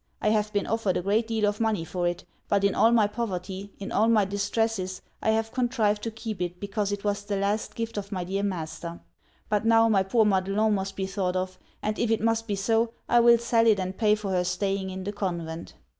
I have been offered a great deal of money for it; but in all my poverty, in all my distresses, I have contrived to keep it because it was the last gift of my dear master. But now, my poor Madelon must be thought of, and if it must be so, I will sell it and pay for her staying in the convent.'